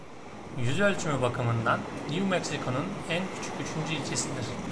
Yüzölçümü bakımından New Mexico’nun en küçük üçüncü ilçesidir.